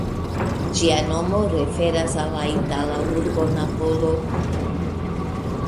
Ĝia nomo referas al la itala urbo Napolo.